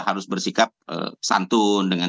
harus bersikap santun dengan